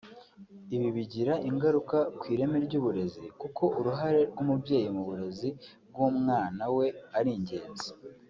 Ibi bigira ingaruka ku ireme ry’uburezi kuko uruhare rw’umubyeyi mu burezi bw’umwana we ari ingenzi